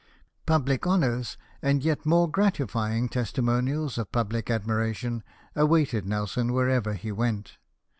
Public honours, and yet more o 210 LIFE OF NELSON. gratifying testimonials of public admiration, awaited Nelson wherever he went.